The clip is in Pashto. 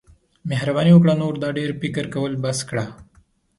مهرباني وکړه نور دا ډیر فکر کول بس کړه.